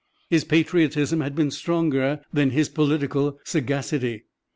His patriotism had been stronger than his political sagacity.